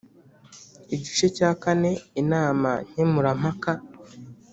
Igice cya kane Inama nkemurampaka